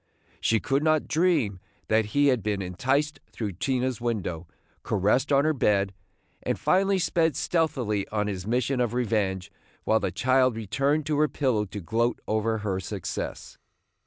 She could not dream that he had been enticed through Tina's window, caressed on her bed, and finally sped stealthily on his mission of revenge, while the child returned to her pillow to gloat over her success.